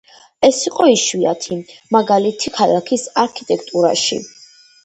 ეს იყო იშვიათი მაგალითი ქალაქის არქიტექტურაში.